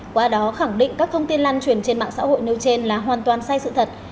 qua đó khẳng định các thông tin lan truyền trên mạng xã hội nêu trên là hoàn toàn sai sự thật